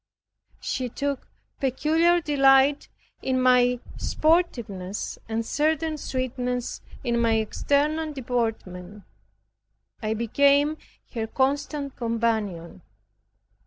She took peculiar delight in my sportiveness and certain sweetness in my external deportment. I became her constant companion.